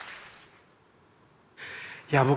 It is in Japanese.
いや僕